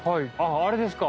あれですか。